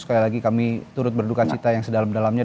sekali lagi kami turut berduka cita yang sedalam dalamnya